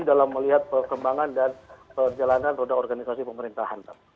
dalam melihat perkembangan dan perjalanan roda organisasi pemerintahan